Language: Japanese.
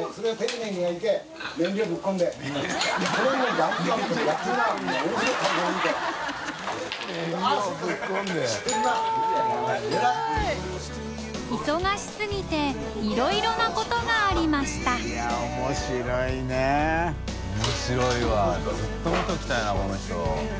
滅鬚いずっと見ときたいなこの人。